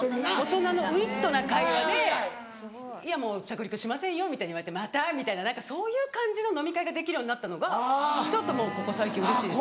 大人のウイットな会話で「いや着陸しませんよ」みたいに言われて「また」みたいなそういう感じの飲み会ができるようになったのがちょっとここ最近うれしいです。